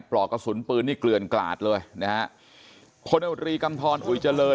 ปลอกกระสุนปืนนี่เกลือนกลาดเลยนะฮะพลตรีกำทรอุยเจริญ